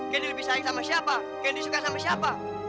gendy lebih sayang sama siapa gendy suka sama siapa